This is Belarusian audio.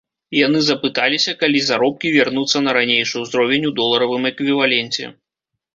Яны запыталіся, калі заробкі вернуцца на ранейшы ўзровень у доларавым эквіваленце.